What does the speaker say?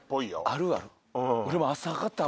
あるある。